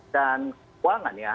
dan keuangan ya